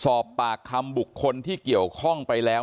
สอบปากคำบุคคลที่เกี่ยวข้องไปแล้ว